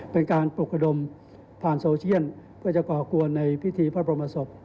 เป็นการปลุกระดมผ่านโซเชียลเพื่อจะก่อกวนในพิธีพระบรมศพ